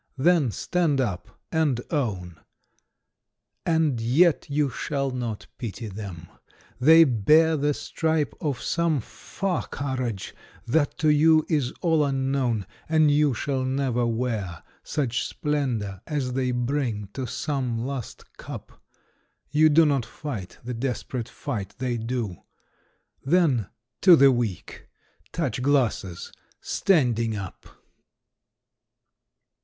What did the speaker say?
Then stand up and own! And yet you shall not pity them ! They bear The stripe of some far courage that to you Is all unknown — and you shall never wear Such splendor as they bring to some last eup ; You do not fight the desperate fight they do ; Then — ^to the Weak ! Touch glasses ! standing up